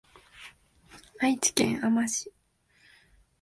愛知県あま市